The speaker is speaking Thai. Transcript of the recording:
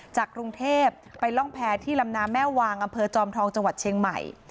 จากกรุงเทพไปร่องแพ้ที่ลำน้ำแม่วางอำเภอจอมทองจังหวัดเชียงใหม่